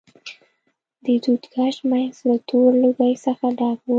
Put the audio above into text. د دود کش منځ له تور لوګي څخه ډک و.